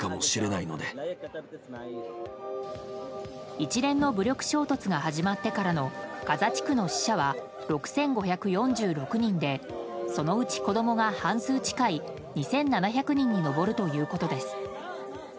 一連の武力衝突が始まってからのガザ地区の死者は６５４６人でそのうち子供が半数近い２７００人に上るということです。